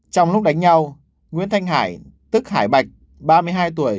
trong lúc đánh nhau nguyễn thanh hải tức hải bạch ba mươi hai tuổi